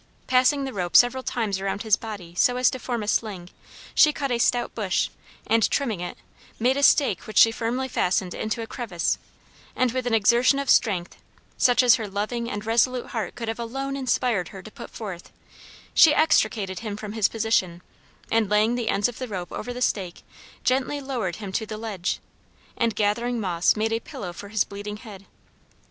Passing the rope several times around his body so as to form a sling she cut a stout bush, and trimming it, made a stake which she firmly fastened into a crevice, and with, an exertion of strength, such as her loving and resolute heart could have alone inspired her to put forth, she extricated him from his position, and laying the ends of the rope over the stake gently lowered him to the ledge, and gathering moss made a pillow for his bleeding head.